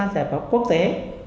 giải pháp quốc tế